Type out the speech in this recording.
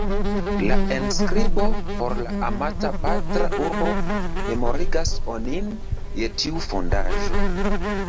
La enskribo "Por la amata patra urbo" memorigas onin je tiu fondaĵo.